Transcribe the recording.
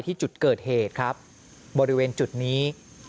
ที่จุดเกิดเหตุครับบริเวณจุดนี้